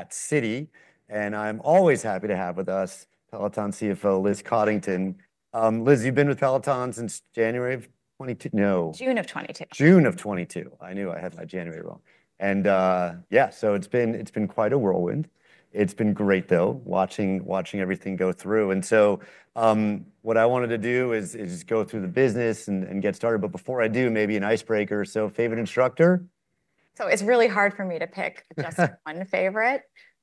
At Citi, and I'm always happy to have with us Peloton CFO Liz Coddington. Liz, you've been with Peloton since January of 2022? No? June of 2022. June of 2022. I knew I had my January wrong, and yeah, so it's been, it's been quite a whirlwind. It's been great, though, watching, watching everything go through, and so what I wanted to do is just go through the business and get started. But before I do, maybe an icebreaker, so favorite instructor? So, it's really hard for me to pick just one favorite.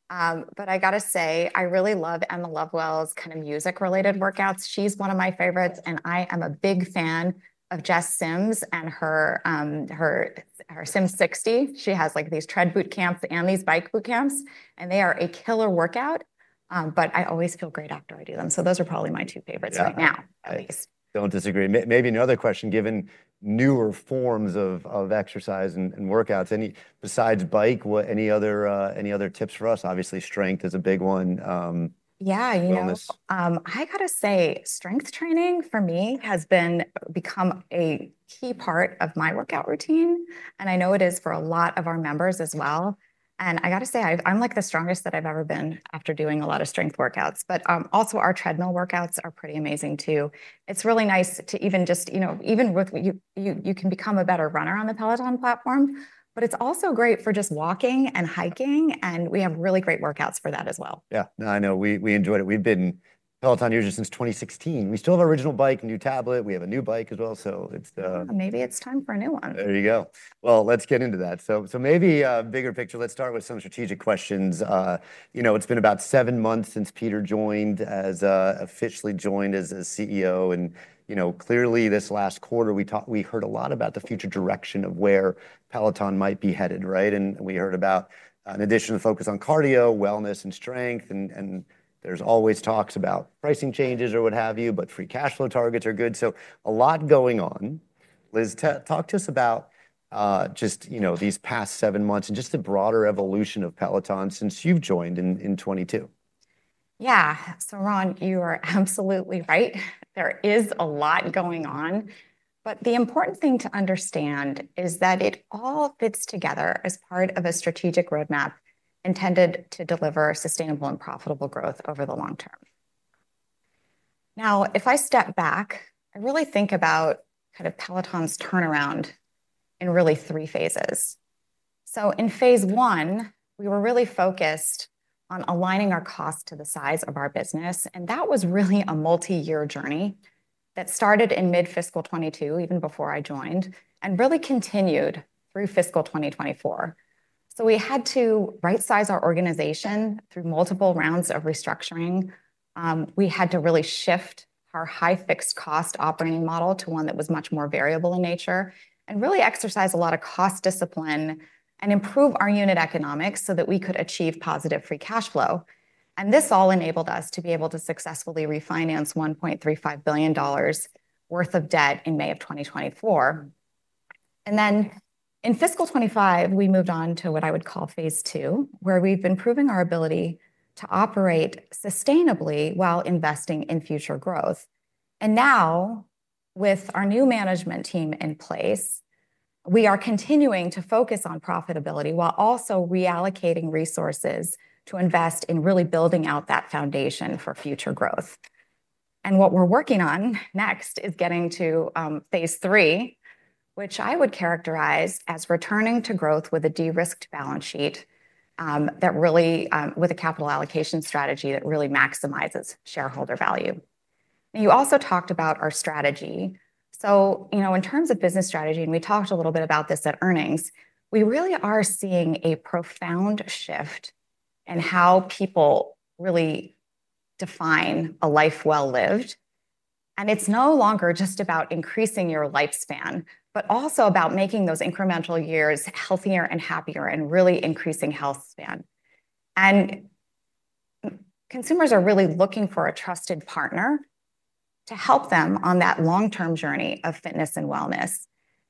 But I gotta say, I really love Emma Lovewell's kind of music-related workouts. She's one of my favorites, and I am a big fan of Jess Sims and her Sims 60. She has, like, these tread boot camps and these bike boot camps, and they are a killer workout. But I always feel great after I do them. So those are probably my two favorites right now, at least. Don't disagree. Maybe another question: given newer forms of exercise and workouts, any besides bike, what other tips for us? Obviously, strength is a big one. Yeah, you know, I gotta say, strength training for me has become a key part of my workout routine, and I know it is for a lot of our members as well. And I gotta say, I'm like the strongest that I've ever been after doing a lot of strength workouts. But, also, our treadmill workouts are pretty amazing, too. It's really nice to even just, you know, even with you can become a better runner on the Peloton platform, but it's also great for just walking and hiking, and we have really great workouts for that as well. Yeah, no, I know. We enjoyed it. We've been Peloton users since 2016. We still have our original bike and new tablet. We have a new bike as well, so it's, Maybe it's time for a new one. There you go. Well, let's get into that. So maybe a bigger picture. Let's start with some strategic questions. You know, it's been about seven months since Peter joined as, officially joined as a CEO. And, you know, clearly this last quarter, we talked, we heard a lot about the future direction of where Peloton might be headed, right? And we heard about, in addition to the focus on cardio, wellness, and strength, and there's always talks about pricing changes or what have you, but free cash flow targets are good. So, a lot going on. Liz, talk to us about, just, you know, these past seven months and just the broader evolution of Peloton since you've joined in 2022. Yeah. So, Ron, you are absolutely right. There is a lot going on, but the important thing to understand is that it all fits together as part of a strategic roadmap intended to deliver sustainable and profitable growth over the long term. Now, if I step back, I really think about kind of Peloton's turnaround in really three phases. So, in phase one, we were really focused on aligning our cost to the size of our business, and that was really a multi-year journey that started in mid-fiscal 2022, even before I joined, and really continued through fiscal 2024. So, we had to right-size our organization through multiple rounds of restructuring. We had to really shift our high fixed cost operating model to one that was much more variable in nature and really exercise a lot of cost discipline and improve our unit economics so that we could achieve positive free cash flow. And this all enabled us to be able to successfully refinance $1.35 billion worth of debt in May of 2024. And then, in fiscal 2025, we moved on to what I would call phase two, where we've been proving our ability to operate sustainably while investing in future growth. And now, with our new management team in place, we are continuing to focus on profitability while also reallocating resources to invest in really building out that foundation for future growth. What we're working on next is getting to phase three, which I would characterize as returning to growth with a de-risked balance sheet that really with a capital allocation strategy that really maximizes shareholder value. You also talked about our strategy. You know, in terms of business strategy, and we talked a little bit about this at earnings, we really are seeing a profound shift in how people really define a life well-lived. It's no longer just about increasing your lifespan, but also about making those incremental years healthier and happier and really increasing health span. Consumers are really looking for a trusted partner to help them on that long-term journey of fitness and wellness.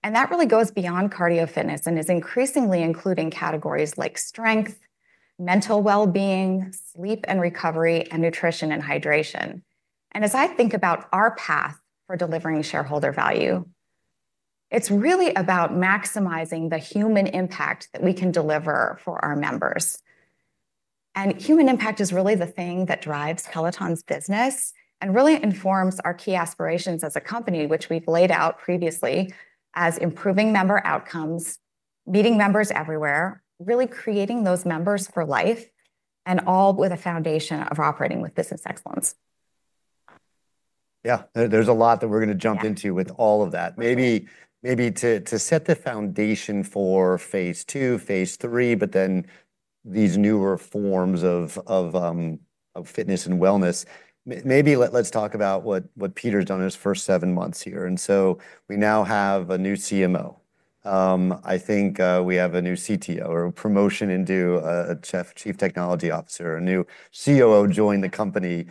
That really goes beyond cardio fitness and is increasingly including categories like strength, mental well-being, sleep and recovery, and nutrition and hydration. As I think about our path for delivering shareholder value, it's really about maximizing the human impact that we can deliver for our members. Human impact is really the thing that drives Peloton's business and really informs our key aspirations as a company, which we've laid out previously as improving member outcomes, meeting members everywhere, really creating those members for life, and all with a foundation of operating with business excellence. Yeah, there's a lot that we're going to jump into with all of that. Maybe - maybe to set the foundation for phase two, phase three, but then these newer forms of, of fitness and wellness. Maybe let's talk about what - what Peter's done in his first seven months here. And so, we now have a new CMO. I think, we have a new CTO or a promotion, indeed, a chief technology officer, a new COO joined the company,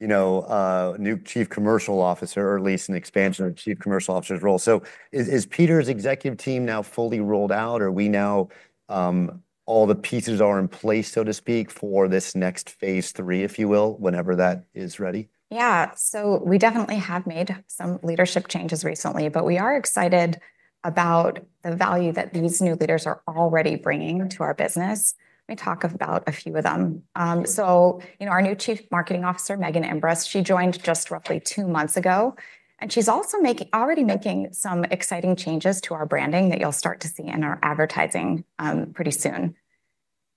you know, a new chief commercial officer, or at least an expansion of chief commercial officer's role. So, is Peter's executive team now fully rolled out, or are we now, all the pieces are in place, so to speak, for this next phase three, if you will, whenever that is ready? Yeah, so we definitely have made some leadership changes recently, but we are excited about the value that these new leaders are already bringing to our business. Let me talk about a few of them. So, you know, our new Chief Marketing Officer, Megan Imbres, she joined just roughly two months ago, and she's also already making some exciting changes to our branding that you'll start to see in our advertising, pretty soon.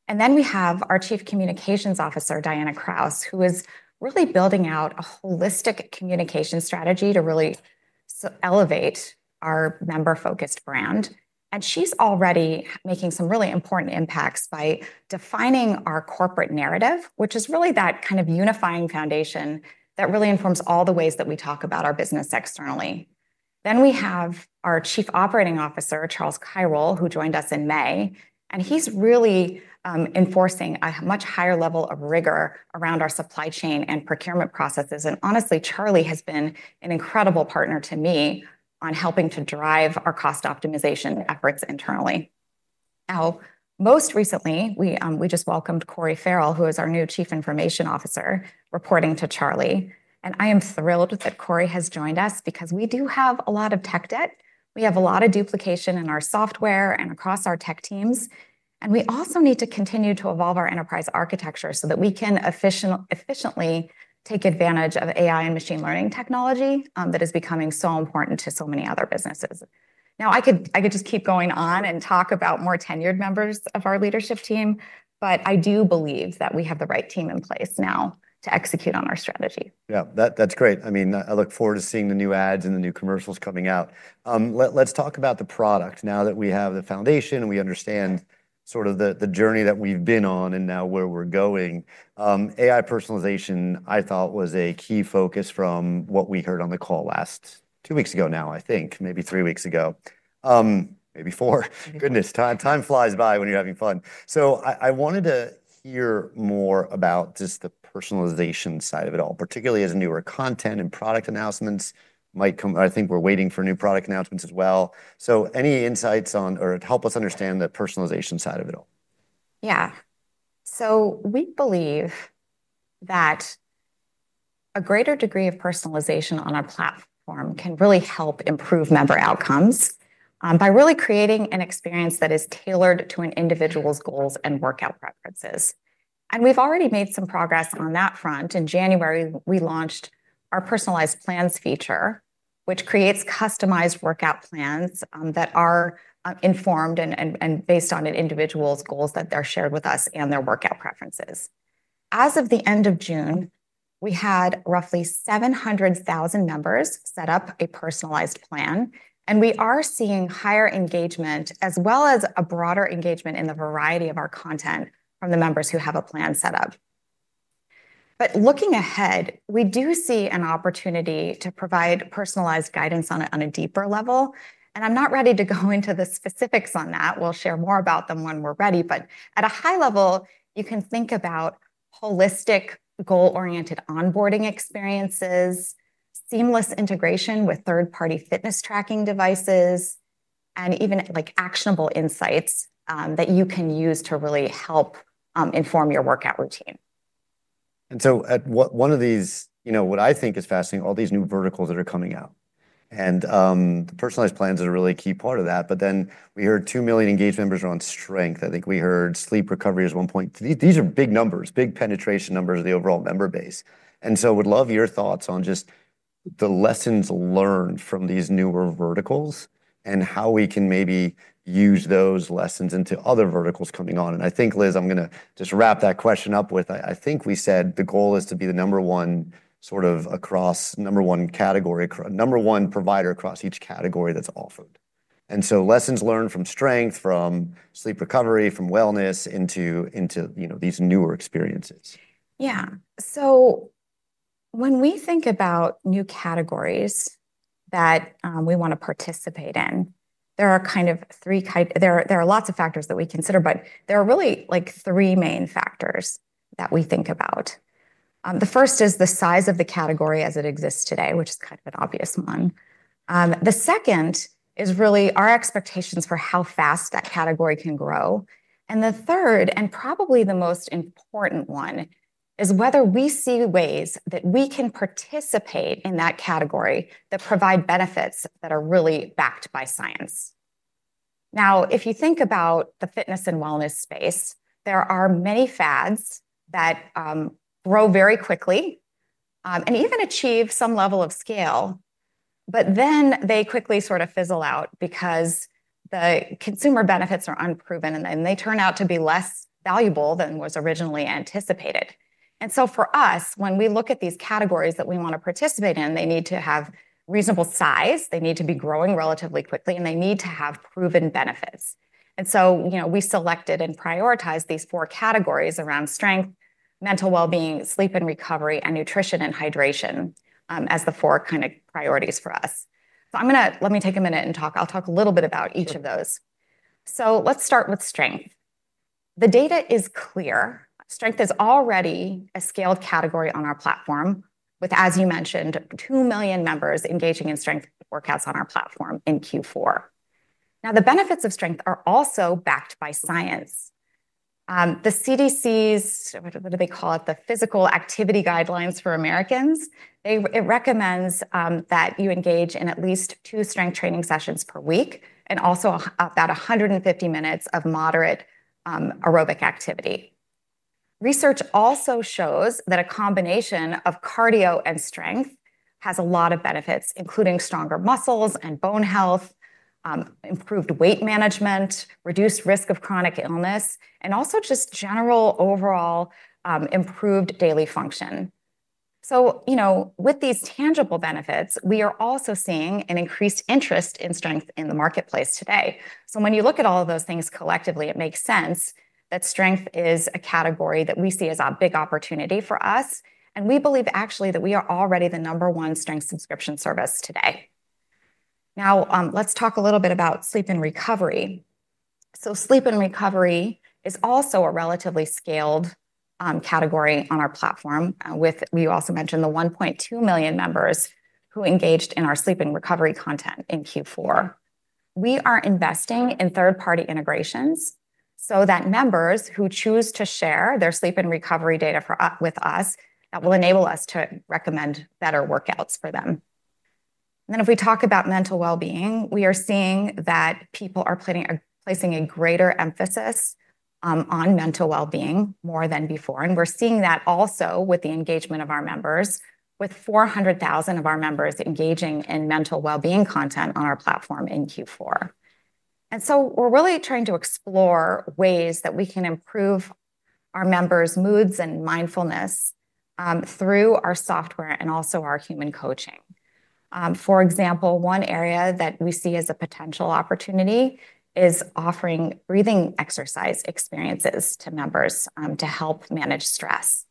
And then we have our Chief Communications Officer, Dianna Kraus, who is really building out a holistic communication strategy to really elevate our member-focused brand. And she's already making some really important impacts by defining our corporate narrative, which is really that kind of unifying foundation that really informs all the ways that we talk about our business externally. Then we have our Chief Operating Officer, Charles Cyril, who joined us in May, and he's really enforcing a much higher level of rigor around our supply chain and procurement processes. And honestly, Charlie has been an incredible partner to me on helping to drive our cost optimization efforts internally. Now, most recently, we just welcomed Corey Farrell, who is our new Chief Information Officer, reporting to Charlie. And I am thrilled that Corey has joined us because we do have a lot of tech debt. We have a lot of duplication in our software and across our tech teams. And we also need to continue to evolve our enterprise architecture so that we can efficiently take advantage of AI and machine learning technology that is becoming so important to so many other businesses. Now, I could just keep going on and talk about more tenured members of our leadership team, but I do believe that we have the right team in place now to execute on our strategy. Yeah, that's great. I mean, I look forward to seeing the new ads and the new commercials coming out. Let's talk about the product. Now that we have the foundation and we understand sort of the journey that we've been on and now where we're going, AI personalization, I thought, was a key focus from what we heard on the call last two weeks ago now, I think, maybe three weeks ago, maybe four. Goodness, time flies by when you're having fun. So, I wanted to hear more about just the personalization side of it all, particularly as newer content and product announcements might come. I think we're waiting for new product announcements as well. So, any insights on, or help us understand the personalization side of it all? Yeah. We believe that a greater degree of personalization on our platform can really help improve member outcomes, by really creating an experience that is tailored to an individual's goals and workout preferences. We've already made some progress on that front. In January, we launched our personalized plans feature, which creates customized workout plans that are informed and based on an individual's goals that they're shared with us and their workout preferences. As of the end of June, we had roughly 700,000 members set up a personalized plan, and we are seeing higher engagement as well as a broader engagement in the variety of our content from the members who have a plan set up. Looking ahead, we do see an opportunity to provide personalized guidance on a deeper level. I'm not ready to go into the specifics on that. We'll share more about them when we're ready, but at a high level, you can think about holistic, goal-oriented onboarding experiences, seamless integration with third-party fitness tracking devices, and even like actionable insights, that you can use to really help, inform your workout routine. And so, at one of these, you know, what I think is fascinating, all these new verticals that are coming out. The personalized plans are a really key part of that. But then we heard two million engaged members are on strength. I think we heard sleep recovery is one. These are big numbers, big penetration numbers of the overall member base. And so, I would love your thoughts on just the lessons learned from these newer verticals and how we can maybe use those lessons into other verticals coming on. And I think, Liz, I'm going to just wrap that question up with, I think we said the goal is to be the number one sort of across number one category, number one provider across each category that's offered. And so, lessons learned from strength, from sleep recovery, from wellness into you know these newer experiences. Yeah. So, when we think about new categories that we want to participate in, there are kind of three kinds. There are lots of factors that we consider, but there are really like three main factors that we think about. The first is the size of the category as it exists today, which is kind of an obvious one. The second is really our expectations for how fast that category can grow, and the third, and probably the most important one, is whether we see ways that we can participate in that category that provide benefits that are really backed by science. Now, if you think about the fitness and wellness space, there are many fads that grow very quickly, and even achieve some level of scale, but then they quickly sort of fizzle out because the consumer benefits are unproven and then they turn out to be less valuable than was originally anticipated. And so, for us, when we look at these categories that we want to participate in, they need to have reasonable size, they need to be growing relatively quickly, and they need to have proven benefits. And so, you know, we selected and prioritized these four categories around strength, mental well-being, sleep and recovery, and nutrition and hydration, as the four kind of priorities for us. So, I'm going to let me take a minute and talk. I'll talk a little bit about each of those. So, let's start with strength. The data is clear. Strength is already a scaled category on our platform with, as you mentioned, 2 million members engaging in strength workouts on our platform in Q4. Now, the benefits of strength are also backed by science. The CDC's, what do they call it, the Physical Activity Guidelines for Americans, it recommends, that you engage in at least two strength training sessions per week and also about 150 minutes of moderate, aerobic activity. Research also shows that a combination of cardio and strength has a lot of benefits, including stronger muscles and bone health, improved weight management, reduced risk of chronic illness, and also just general overall, improved daily function, so you know, with these tangible benefits, we are also seeing an increased interest in strength in the marketplace today. So, when you look at all of those things collectively, it makes sense that strength is a category that we see as a big opportunity for us. And we believe actually that we are already the number one strength subscription service today. Now, let's talk a little bit about sleep and recovery. So, sleep and recovery is also a relatively scaled category on our platform with we also mentioned the 1.2 million members who engaged in our sleep and recovery content in Q4. We are investing in third-party integrations so that members who choose to share their sleep and recovery data with us, that will enable us to recommend better workouts for them. And then if we talk about mental well-being, we are seeing that people are placing a greater emphasis on mental well-being more than before. And we're seeing that also with the engagement of our members, with 400,000 of our members engaging in mental well-being content on our platform in Q4. And so, we're really trying to explore ways that we can improve our members' moods and mindfulness, through our software and also our human coaching. For example, one area that we see as a potential opportunity is offering breathing exercise experiences to members, to help manage stress.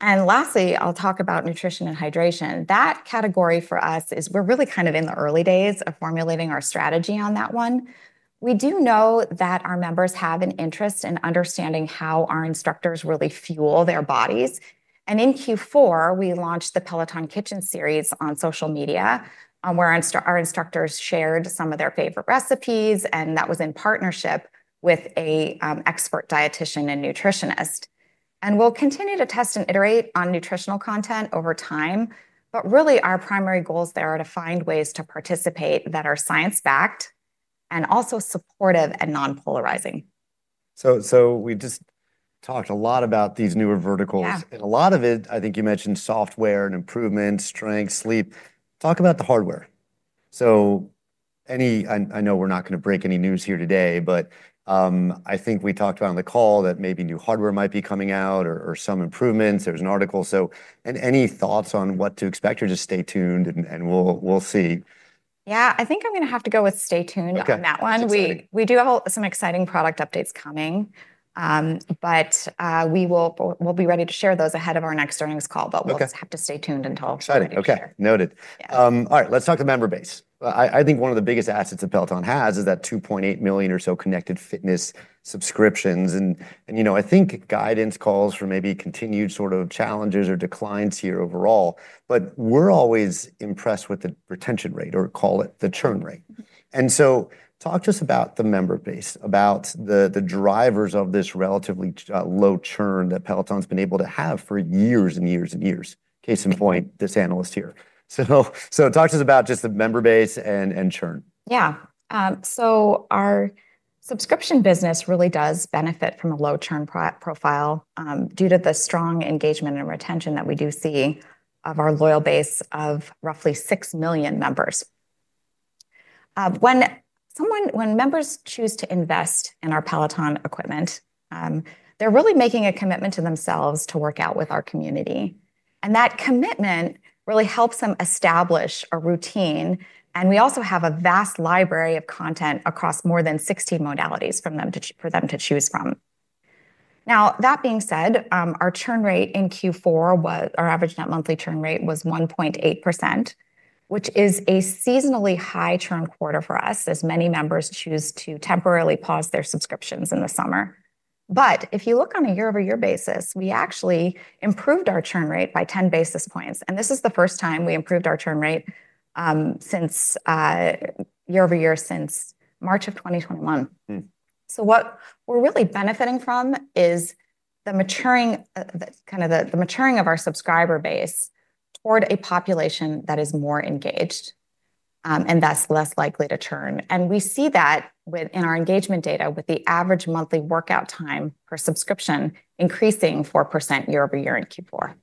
And lastly, I'll talk about nutrition and hydration. That category for us is we're really kind of in the early days of formulating our strategy on that one. We do know that our members have an interest in understanding how our instructors really fuel their bodies. In Q4, we launched the Peloton Kitchen series on social media, where our instructors shared some of their favorite recipes, and that was in partnership with an expert dietitian and nutritionist. We’ll continue to test and iterate on nutritional content over time, but really our primary goals there are to find ways to participate that are science-backed and also supportive and non-polarizing. So, we just talked a lot about these newer verticals. And a lot of it, I think you mentioned software and improvement, strength, sleep. Talk about the hardware. So, any, I know we're not going to break any news here today, but, I think we talked about on the call that maybe new hardware might be coming out or some improvements. There's an article. So, and any thoughts on what to expect or just stay tuned and we'll see. Yeah, I think I'm going to have to go with stay tuned on that one. We do have some exciting product updates coming, but, we'll be ready to share those ahead of our next earnings call, but we'll just have to stay tuned until next week. Exciting. Okay. Noted. All right, let's talk the member base. I think one of the biggest assets that Peloton has is that 2.8 million or so connected fitness subscriptions. And, you know, I think guidance calls for maybe continued sort of challenges or declines here overall, but we're always impressed with the retention rate or call it the churn rate. And so, talk to us about the member base, about the drivers of this relatively low churn that Peloton's been able to have for years and years and years. Case in point, this analyst here. So, talk to us about just the member base and churn. Yeah. So our subscription business really does benefit from a low churn profile, due to the strong engagement and retention that we do see of our loyal base of roughly 6 million members. When members choose to invest in our Peloton equipment, they're really making a commitment to themselves to work out with our community. And that commitment really helps them establish a routine. And we also have a vast library of content across more than 60 modalities for them to choose from. Now, that being said, our average net monthly churn rate was 1.8%, which is a seasonally high churn quarter for us as many members choose to temporarily pause their subscriptions in the summer. But if you look on a year-over-year basis, we actually improved our churn rate by 10 basis points. This is the first time we improved our churn rate, since, year-over-year since March of 2021. What we're really benefiting from is the maturing, the kind of the maturing of our subscriber base toward a population that is more engaged, and thus less likely to churn. We see that within our engagement data with the average monthly workout time per subscription increasing 4% year-over-year in Q4.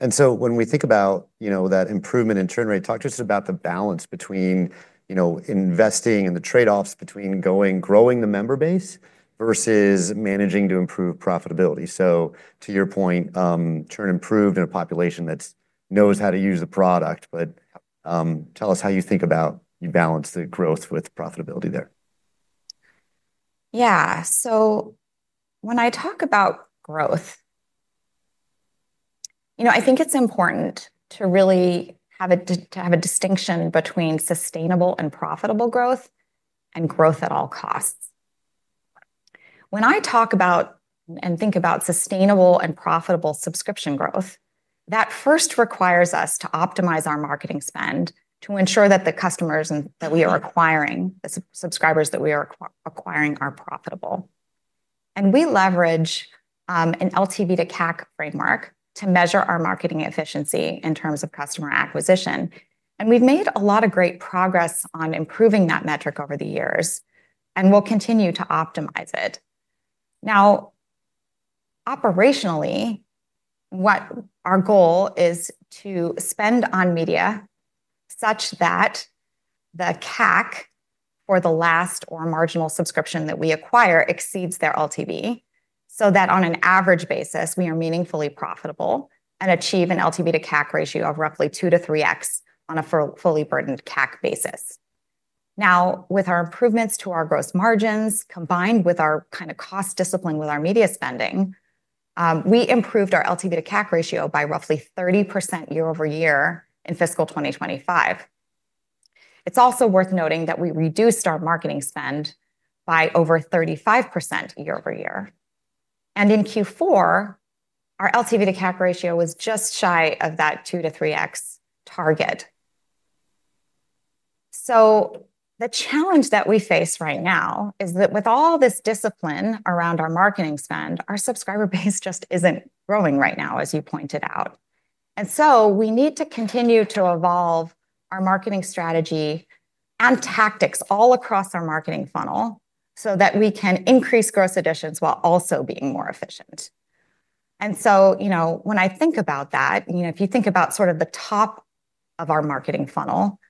And so when we think about, you know, that improvement in churn rate, talk to us about the balance between, you know, investing and the trade-offs between going, growing the member base versus managing to improve profitability. So to your point, churn improved in a population that knows how to use the product, but tell us how you think about you balance the growth with profitability there. Yeah. So when I talk about growth, you know, I think it's important to really have a distinction between sustainable and profitable growth and growth at all costs. When I talk about and think about sustainable and profitable subscription growth, that first requires us to optimize our marketing spend to ensure that the customers that we are acquiring, the subscribers that we are acquiring, are profitable. And we leverage an LTV to CAC framework to measure our marketing efficiency in terms of customer acquisition. And we've made a lot of great progress on improving that metric over the years, and we'll continue to optimize it. Now, operationally, what our goal is to spend on media such that the CAC for the last or marginal subscription that we acquire exceeds their LTV, so that on an average basis, we are meaningfully profitable and achieve an LTV to CAC ratio of roughly 2-3x on a fully burdened CAC basis. Now, with our improvements to our gross margins combined with our kind of cost discipline with our media spending, we improved our LTV to CAC ratio by roughly 30% year-over-year in fiscal 2025. It's also worth noting that we reduced our marketing spend by over 35% year-over-year. And in Q4, our LTV to CAC ratio was just shy of that 2-3x target. So the challenge that we face right now is that with all this discipline around our marketing spend, our subscriber base just isn't growing right now, as you pointed out. And so we need to continue to evolve our marketing strategy and tactics all across our marketing funnel so that we can increase gross additions while also being more efficient. And so, you know, when I think about that, you know, if you think about sort of the top of our marketing funnel,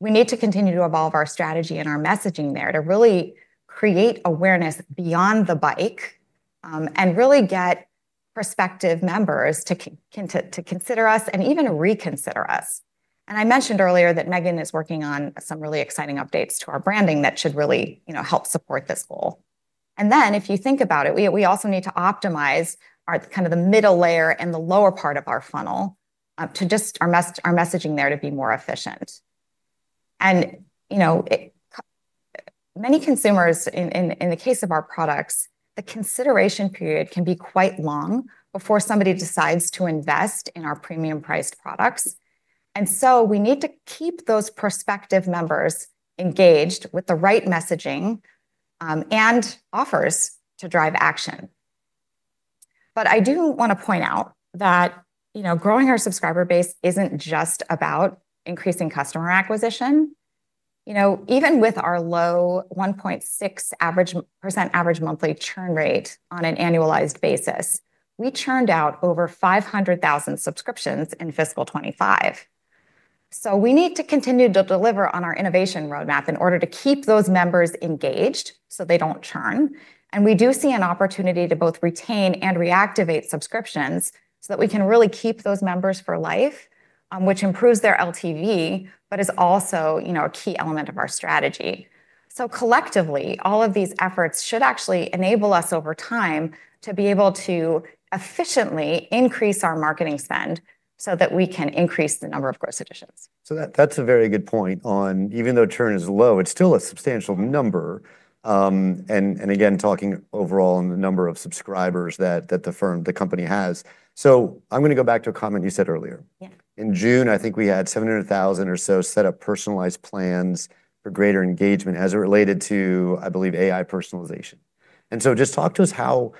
we need to continue to evolve our strategy and our messaging there to really create awareness beyond the bike, and really get prospective members to consider us and even reconsider us. And I mentioned earlier that Megan is working on some really exciting updates to our branding that should really, you know, help support this goal. And then if you think about it, we also need to optimize our kind of the middle layer and the lower part of our funnel to just our messaging there to be more efficient. You know, many consumers in the case of our products, the consideration period can be quite long before somebody decides to invest in our premium priced products. We need to keep those prospective members engaged with the right messaging and offers to drive action. I do want to point out that, you know, growing our subscriber base isn't just about increasing customer acquisition. You know, even with our low 1.6% average monthly churn rate on an annualized basis, we churned out over 500,000 subscriptions in fiscal 2025. We need to continue to deliver on our innovation roadmap in order to keep those members engaged so they don't churn. We do see an opportunity to both retain and reactivate subscriptions so that we can really keep those members for life, which improves their LTV, but is also, you know, a key element of our strategy. So collectively, all of these efforts should actually enable us over time to be able to efficiently increase our marketing spend so that we can increase the number of gross additions. So that's a very good point on, even though churn is low, it's still a substantial number. And again, talking overall on the number of subscribers that the firm, the company has. So I'm going to go back to a comment you said earlier. In June, I think we had 700,000 or so set up personalized plans for greater engagement as it related to, I believe, AI personalization. And so just talk to us how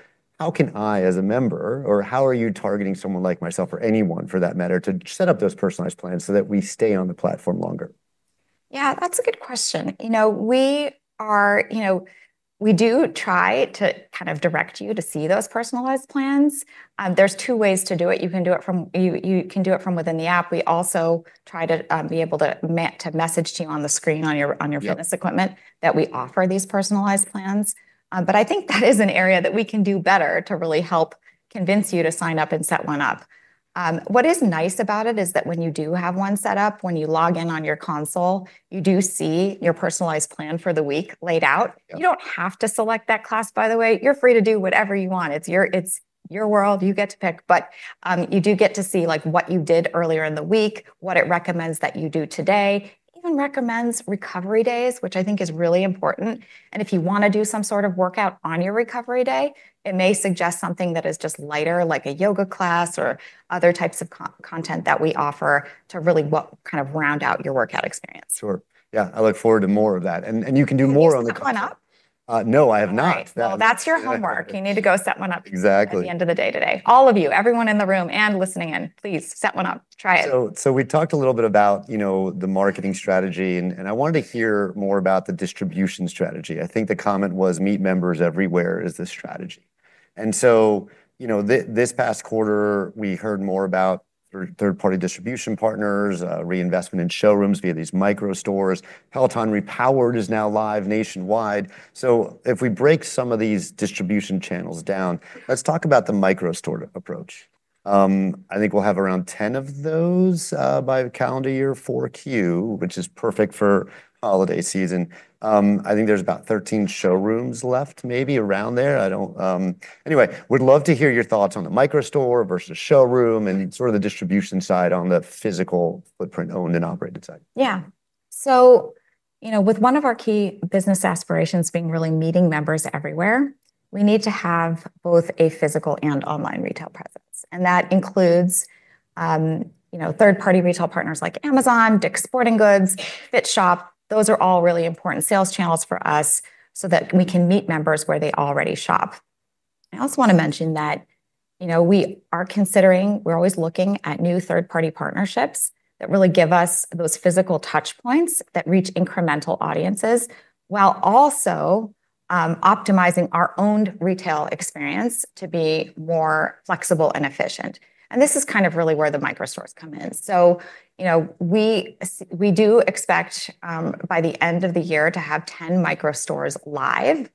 can I as a member or how are you targeting someone like myself or anyone for that matter to set up those personalized plans so that we stay on the platform longer? Yeah, that's a good question. You know, we are, you know, we do try to kind of direct you to see those personalized plans. There's two ways to do it. You can do it from within the app. We also try to be able to message to you on the screen on your fitness equipment that we offer these personalized plans. But I think that is an area that we can do better to really help convince you to sign up and set one up. What is nice about it is that when you do have one set up, when you log in on your console, you do see your personalized plan for the week laid out. You don't have to select that class, by the way. You're free to do whatever you want. It's your world. You get to pick, but you do get to see like what you did earlier in the week, what it recommends that you do today, even recommends recovery days, which I think is really important, and if you want to do some sort of workout on your recovery day, it may suggest something that is just lighter, like a yoga class or other types of content that we offer to really kind of round out your workout experience. Sure. Yeah. I look forward to more of that. And you can do more on the console. You set one up? No, I have not. That's your homework. You need to go set one up at the end of the day today. All of you, everyone in the room and listening in, please set one up. Try it. So we talked a little bit about, you know, the marketing strategy, and I wanted to hear more about the distribution strategy. I think the comment was, "Meet members everywhere is the strategy." And so, you know, this past quarter, we heard more about third-party distribution partners, reinvestment in showrooms via these micro stores. Peloton Repowered is now live nationwide. So if we break some of these distribution channels down, let's talk about the micro store approach. I think we'll have around 10 of those, by calendar year for Q, which is perfect for holiday season. I think there's about 13 showrooms left, maybe around there. I don't, anyway, we'd love to hear your thoughts on the micro store versus showroom and sort of the distribution side on the physical footprint owned and operated side. Yeah. So, you know, with one of our key business aspirations being really meeting members everywhere, we need to have both a physical and online retail presence. And that includes, you know, third-party retail partners like Amazon, Dick's Sporting Goods, Fitshop. Those are all really important sales channels for us so that we can meet members where they already shop. I also want to mention that, you know, we are considering, we're always looking at new third-party partnerships that really give us those physical touch points that reach incremental audiences while also optimizing our own retail experience to be more flexible and efficient. And this is kind of really where the micro stores come in. So, you know, we do expect, by the end of the year to have 10 micro stores live.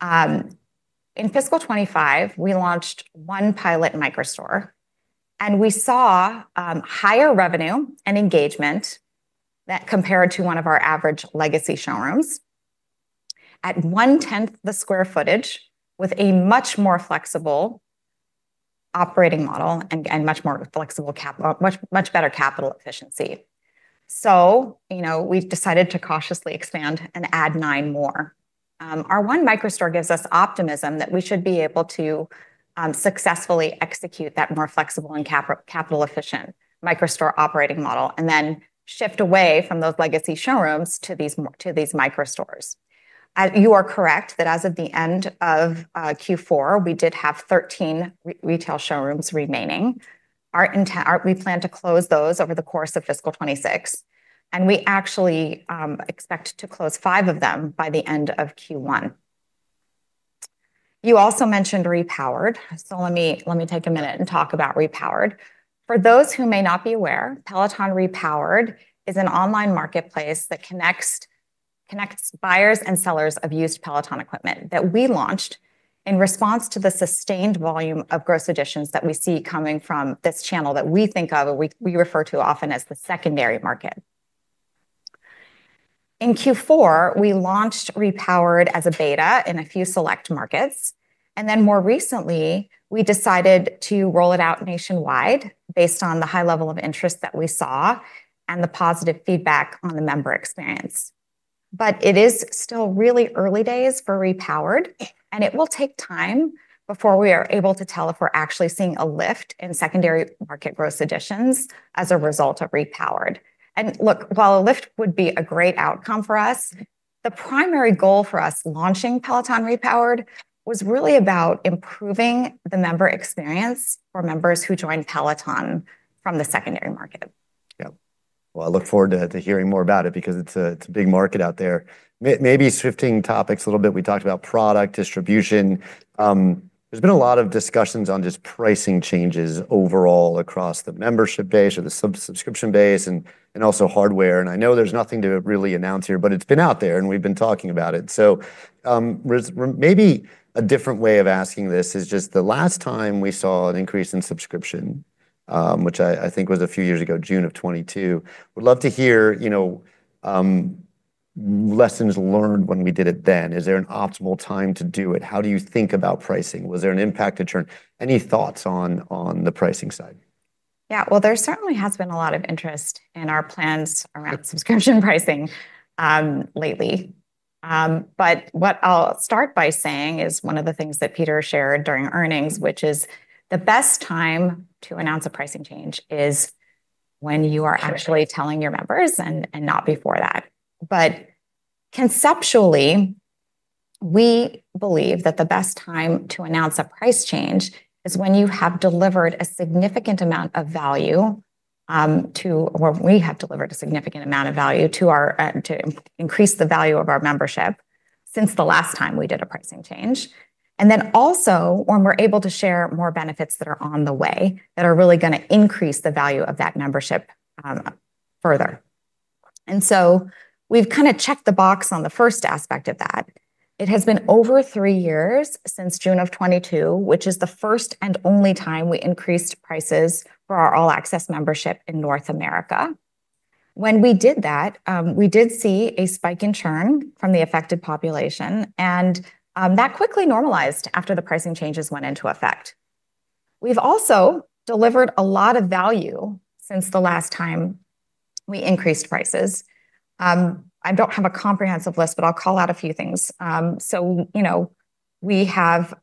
In fiscal 25, we launched one pilot micro store, and we saw higher revenue and engagement that compared to one of our average legacy showrooms at one-tenth the square footage with a much more flexible operating model and much more flexible capital, much, much better capital efficiency. So, you know, we've decided to cautiously expand and add nine more. Our one micro store gives us optimism that we should be able to successfully execute that more flexible and capital efficient micro store operating model and then shift away from those legacy showrooms to these, to these micro stores. You are correct that as of the end of Q4, we did have 13 retail showrooms remaining. Our intent, we plan to close those over the course of fiscal 26, and we actually expect to close five of them by the end of Q1. You also mentioned Repowered. Let me take a minute and talk about Repowered. For those who may not be aware, Peloton Repowered is an online marketplace that connects buyers and sellers of used Peloton equipment that we launched in response to the sustained volume of gross additions that we see coming from this channel that we refer to often as the secondary market. In Q4, we launched Repowered as a beta in a few select markets. Then more recently, we decided to roll it out nationwide based on the high level of interest that we saw and the positive feedback on the member experience. It is still really early days for Repowered, and it will take time before we are able to tell if we're actually seeing a lift in secondary market gross additions as a result of Repowered. Look, while a lift would be a great outcome for us, the primary goal for us launching Peloton Repowered was really about improving the member experience for members who join Peloton from the secondary market. Yeah. Well, I look forward to hearing more about it because it's a big market out there. Maybe shifting topics a little bit. We talked about product distribution. There's been a lot of discussions on just pricing changes overall across the membership base or the subscription base and also hardware. And I know there's nothing to really announce here, but it's been out there and we've been talking about it. So, maybe a different way of asking this is just the last time we saw an increase in subscription, which I think was a few years ago, June of 2022. We'd love to hear, you know, lessons learned when we did it then. Is there an optimal time to do it? How do you think about pricing? Was there an impact to churn? Any thoughts on, on the pricing side? Yeah. Well, there certainly has been a lot of interest in our plans around subscription pricing, lately. But what I'll start by saying is one of the things that Peter shared during earnings, which is the best time to announce a pricing change is when you are actually telling your members and not before that. But conceptually, we believe that the best time to announce a price change is when you have delivered a significant amount of value, or we have delivered a significant amount of value to our membership to increase the value of our membership since the last time we did a pricing change. And then also when we're able to share more benefits that are on the way that are really going to increase the value of that membership, further. And so we've kind of checked the box on the first aspect of that. It has been over three years since June of 2022, which is the first and only time we increased prices for our All-Access Membership in North America. When we did that, we did see a spike in churn from the affected population, and that quickly normalized after the pricing changes went into effect. We've also delivered a lot of value since the last time we increased prices. I don't have a comprehensive list, but I'll call out a few things, so, you know, we have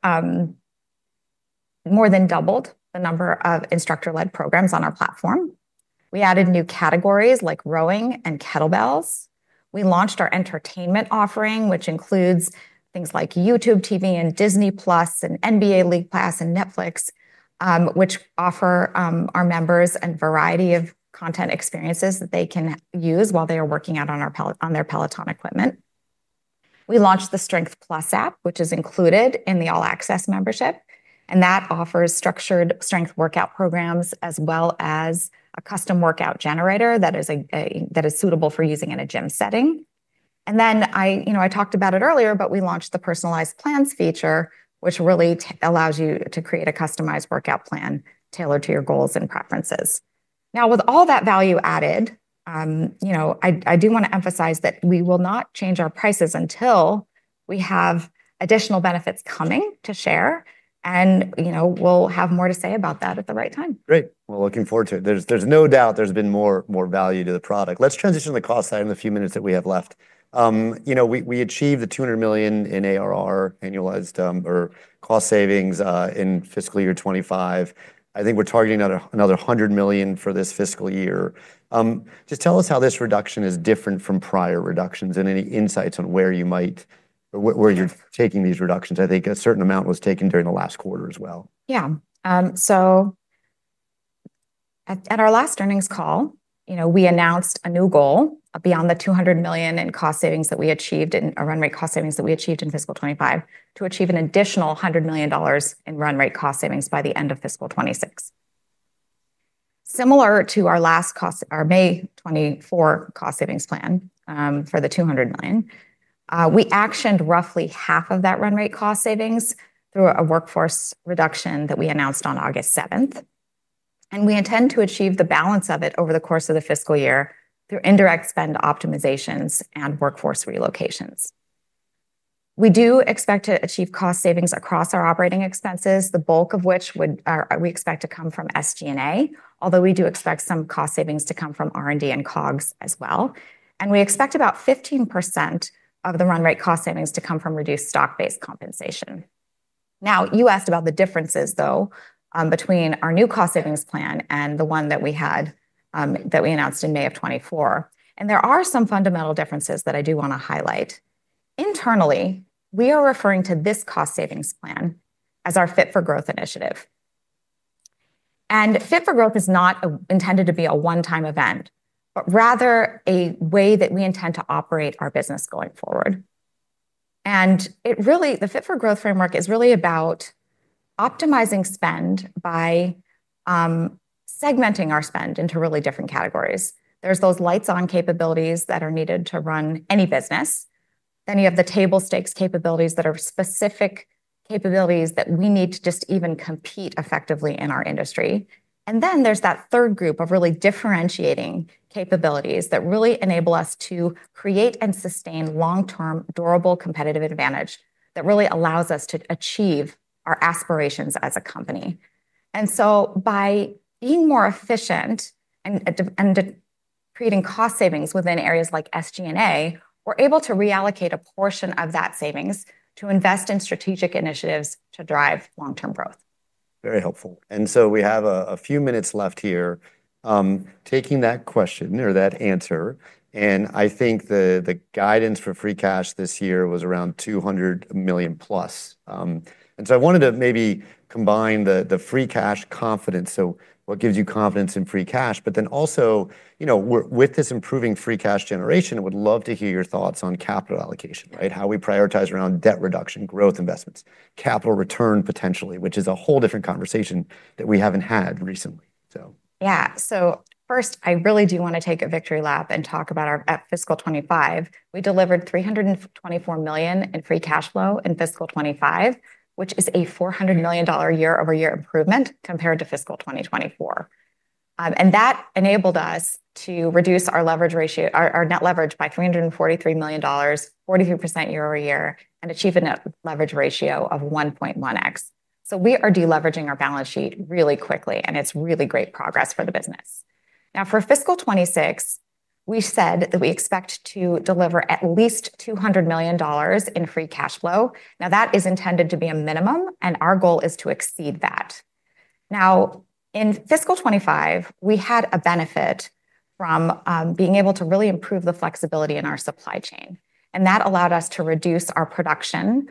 more than doubled the number of instructor-led programs on our platform. We added new categories like rowing and kettlebells. We launched our entertainment offering, which includes things like YouTube TV and Disney+ and NBA League Pass and Netflix, which offer our members a variety of content experiences that they can use while they are working out on their Peloton equipment. We launched the Strength+ app, which is included in the All-Access Membership, and that offers structured strength workout programs as well as a custom workout generator that is suitable for using in a gym setting. Then I, you know, I talked about it earlier, but we launched the personalized plans feature, which really allows you to create a customized workout plan tailored to your goals and preferences. Now, with all that value added, you know, I do want to emphasize that we will not change our prices until we have additional benefits coming to share. You know, we'll have more to say about that at the right time. Great. Well, looking forward to it. There's no doubt there's been more value to the product. Let's transition to the cost side in the few minutes that we have left. You know, we achieved the $200 million in ARR annualized, or cost savings, in fiscal year 2025. I think we're targeting another $100 million for this fiscal year. Just tell us how this reduction is different from prior reductions and any insights on where you're taking these reductions. I think a certain amount was taken during the last quarter as well. Yeah. So at our last earnings call, you know, we announced a new goal beyond the $200 million in cost savings that we achieved in our run rate cost savings that we achieved in fiscal 2025 to achieve an additional $100 million in run rate cost savings by the end of fiscal 2026. Similar to our last cost, our May 2024 cost savings plan, for the $200 million, we actioned roughly half of that run rate cost savings through a workforce reduction that we announced on August 7th. And we intend to achieve the balance of it over the course of the fiscal year through indirect spend optimizations and workforce relocations. We do expect to achieve cost savings across our operating expenses, the bulk of which would, we expect to come from SG&A, although we do expect some cost savings to come from R&D and COGS as well. We expect about 15% of the run rate cost savings to come from reduced stock-based compensation. Now, you asked about the differences though, between our new cost savings plan and the one that we had, that we announced in May of 2024. There are some fundamental differences that I do want to highlight. Internally, we are referring to this cost savings plan as our Fit for Growth initiative. Fit for Growth is not intended to be a one-time event, but rather a way that we intend to operate our business going forward. It really, the Fit for Growth framework is really about optimizing spend by segmenting our spend into really different categories. There are those lights-on capabilities that are needed to run any business, then you have the table stakes capabilities that are specific capabilities that we need to just even compete effectively in our industry. And then there's that third group of really differentiating capabilities that really enable us to create and sustain long-term durable competitive advantage that really allows us to achieve our aspirations as a company. And so by being more efficient and creating cost savings within areas like SG&A, we're able to reallocate a portion of that savings to invest in strategic initiatives to drive long-term growth. Very helpful. So we have a few minutes left here, taking that question or that answer. I think the guidance for free cash this year was around $200 million plus. So I wanted to maybe combine the free cash confidence. What gives you confidence in free cash? But then also, you know, with this improving free cash generation, I would love to hear your thoughts on capital allocation, right? How we prioritize around debt reduction, growth investments, capital return potentially, which is a whole different conversation that we haven't had recently. So. Yeah. So first, I really do want to take a victory lap and talk about our fiscal '25. We delivered $324 million in free cash flow in fiscal '25, which is a $400 million year-over-year improvement compared to fiscal 2024. And that enabled us to reduce our leverage ratio, our net leverage by $343 million, 43% year-over-year, and achieve a net leverage ratio of 1.1x. So we are deleveraging our balance sheet really quickly, and it's really great progress for the business. Now, for fiscal '26, we said that we expect to deliver at least $200 million in free cash flow. Now, that is intended to be a minimum, and our goal is to exceed that. Now, in fiscal '25, we had a benefit from, being able to really improve the flexibility in our supply chain. That allowed us to reduce our production,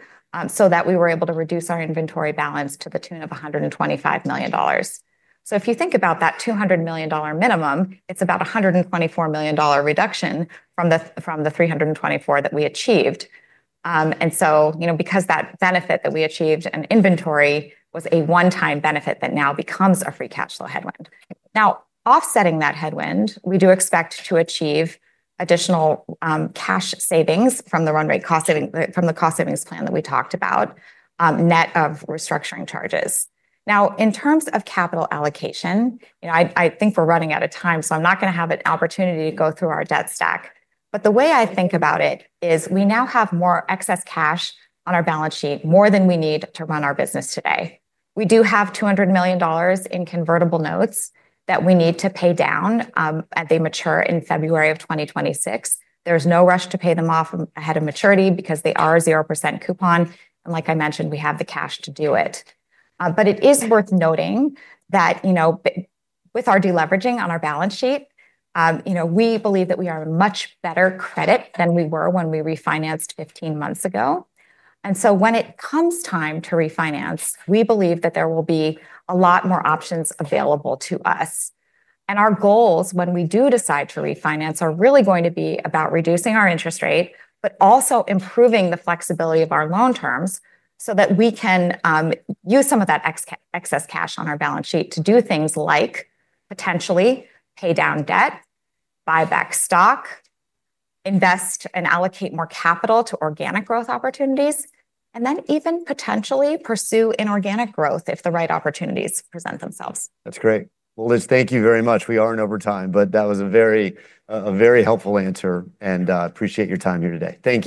so that we were able to reduce our inventory balance to the tune of $125 million. So if you think about that $200 million minimum, it's about a $124 million reduction from the 324 that we achieved. So you know, because that benefit that we achieved in inventory was a one-time benefit that now becomes a free cash flow headwind. Now, offsetting that headwind, we do expect to achieve additional cash savings from the run rate cost savings, from the cost savings plan that we talked about, net of restructuring charges. Now, in terms of capital allocation, you know, I think we're running out of time, so I'm not going to have an opportunity to go through our debt stack. But the way I think about it is we now have more excess cash on our balance sheet more than we need to run our business today. We do have $200 million in convertible notes that we need to pay down, as they mature in February of 2026. There's no rush to pay them off ahead of maturity because they are a 0% coupon. And like I mentioned, we have the cash to do it. But it is worth noting that, you know, with our deleveraging on our balance sheet, you know, we believe that we are in much better credit than we were when we refinanced 15 months ago. And so when it comes time to refinance, we believe that there will be a lot more options available to us. And our goals when we do decide to refinance are really going to be about reducing our interest rate, but also improving the flexibility of our loan terms so that we can use some of that excess cash on our balance sheet to do things like potentially pay down debt, buy back stock, invest and allocate more capital to organic growth opportunities, and then even potentially pursue inorganic growth if the right opportunities present themselves. That's great, well, Liz, thank you very much. We are in overtime, but that was a very, a very helpful answer, and appreciate your time here today. Thank you.